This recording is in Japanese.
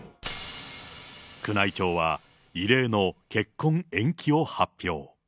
宮内庁は異例の結婚延期を発表。